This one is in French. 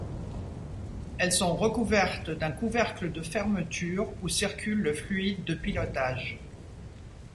Elles sont recouvertes d’un couvercle de fermeture où circule le fluide de pilotage.